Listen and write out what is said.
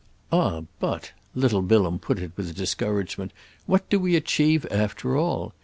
"Ah but"—little Bilham put it with discouragement—"what do we achieve after all?